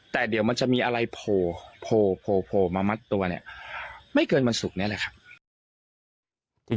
แต่เดี๋ยวมันจะมีอะไรโผล่โผล่โผล่โผล่มามัดตัวเนี่ยไม่เกินมันสุขแน่เลยครับ